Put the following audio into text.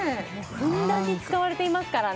ふんだんに使われていますからね